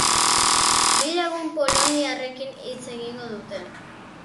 Bi lagun poloniarrekin hitz egingo dute.